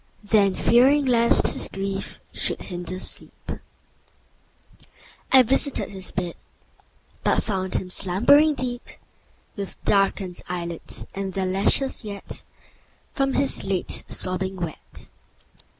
Then, fearing lest his grief should hinder sleep, I visited his bed, But found him slumbering deep, With darken'd eyelids, and their lashes yet 10 From his late sobbing wet.